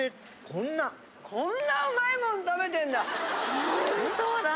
こんなうまいもん食べてんだ。